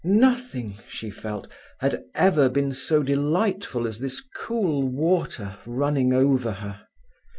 Nothing, she felt, had ever been so delightful as this cool water running over her.